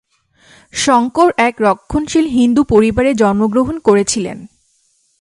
শঙ্কর এক রক্ষণশীল হিন্দু পরিবারে জন্মগ্রহণ করেছিলেন।